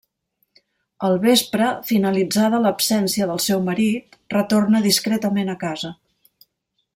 Al vespre, finalitzada l'absència del seu marit, retorna discretament a casa.